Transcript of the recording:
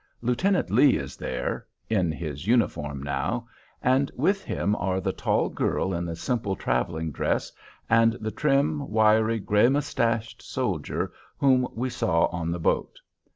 Lieutenant Lee is there, in his uniform now, and with him are the tall girl in the simple travelling dress, and the trim, wiry, gray moustached soldier whom we saw on the boat.